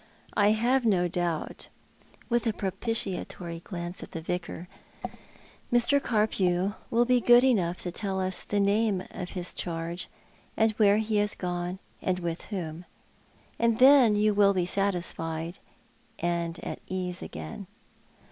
I have no doubt," with a propitiatory glance at the Yicar, " Mr. Carpcw will be good enough to tell us the name of his charge, and where he has one, and with whom. And thou you will be satisfied and afc ease again."